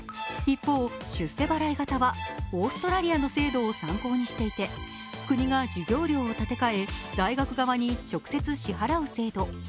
一方、出世払い型はオーストラリアの制度を参考にしていて、国が授業料を立て替え大学側に直接支払う制度。